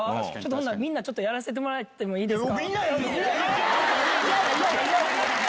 ほんならみんなちょっとやらせてもらっていいですか。